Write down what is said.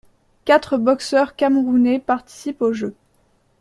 Quatre boxeurs camerounais participent aux Jeux.